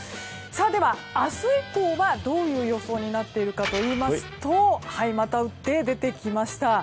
では、明日以降はどういう予想になっているかといいますとまた打って出てきました。